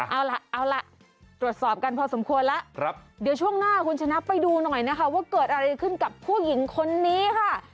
เอาล่ะเอาล่ะตรวจสอบกันพอสมควรแล้วเดี๋ยวช่วงหน้าคุณชนะไปดูหน่อยนะคะว่าเกิดอะไรขึ้นกับผู้หญิงคนนี้ค่ะ